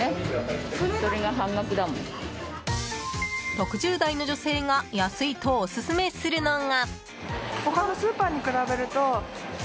６０代の女性が安いとオススメするのが。